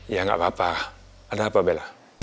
ya nggak apa apa ada apa bella